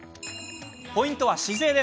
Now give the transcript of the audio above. ポイントは姿勢。